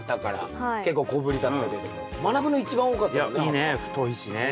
いいね太いしね。